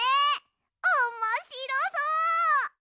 おもしろそう！